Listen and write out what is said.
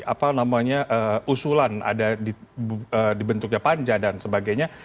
apa namanya usulan ada di bentuknya panja dan sebagainya